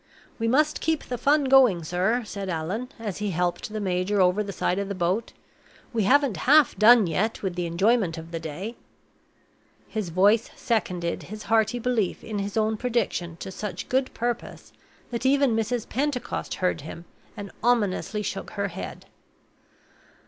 "We must keep the fun going, sir," said Allan, as he helped the major over the side of the boat. "We haven't half done yet with the enjoyment of the day." His voice seconded his hearty belief in his own prediction to such good purpose that even Mrs. Pentecost heard him, and ominously shook her head.